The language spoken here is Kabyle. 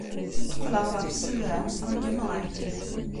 Ad d-qqleɣ ɣef ssebɛa, ṛeggmeɣ-ak.